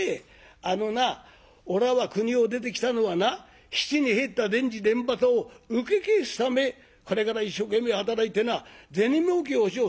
あのなおらは国を出てきたのはな質に入った田地田畑を請け返すためこれから一生懸命働いてな銭もうけをしよう。